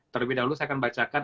terlebih dahulu saya akan bacakan